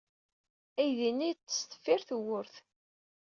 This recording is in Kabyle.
Aydi-nni yeḍḍes deffir tewwurt.